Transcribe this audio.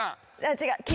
違う。